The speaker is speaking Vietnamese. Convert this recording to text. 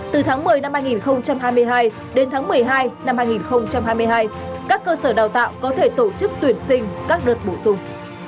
từ tháng một mươi năm hai nghìn hai mươi hai đến tháng một mươi hai năm hai nghìn hai mươi hai các cơ sở đào tạo có thể tổ chức tuyển sinh các đợt bổ sung